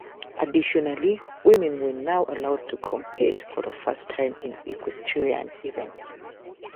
Additionally, women were now allowed to compete for the first time in equestrian events.